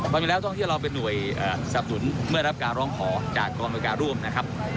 จริงแล้วท่องเที่ยวเราเป็นหน่วยสับสนุนเมื่อรับการร้องขอจากกรมบริการร่วมนะครับ